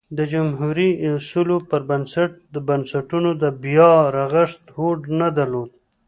د جمهوري اصولو پر بنسټ بنسټونو د بیا رغښت هوډ نه درلود